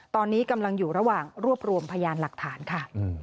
ตอนนี้กำลังอยู่ระหว่างรวบรวมพยานหลักฐานค่ะ